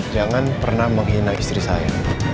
jangan pernah menghina istri saya